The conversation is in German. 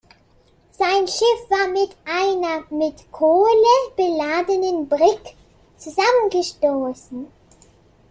Sein Schiff war mit einer mit Kohle beladenen Brigg zusammengestoßen.